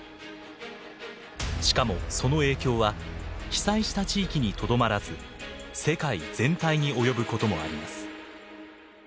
しかもその影響は被災した地域にとどまらず世界全体に及ぶこともあります。